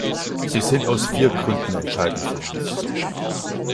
Sie sind aus vier Gründen entscheidend für uns.